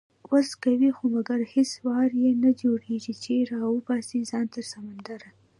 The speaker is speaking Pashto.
وس کوي خو مګر هیڅ وار یې نه جوړیږي، چې راوباسي ځان تر سمندره